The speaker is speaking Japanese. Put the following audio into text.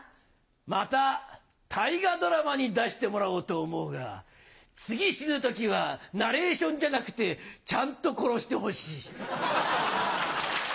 また大河ドラマに出してもらおうと思うが次死ぬ時はナレーションじゃなくてちゃんと殺してほしい。